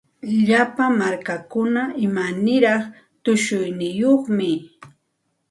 Llapa markakuna imaniraq tushuyniyuqmi.